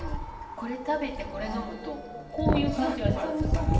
これ食べてこれ呑むとこういう感じがします。